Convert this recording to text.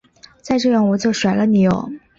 再这样我就甩了你唷！